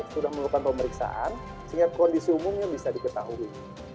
sudah melakukan pemeriksaan sehingga kondisi umumnya bisa diketahui